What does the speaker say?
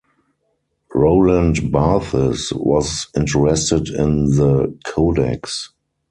Roland Barthes was interested in the Codex.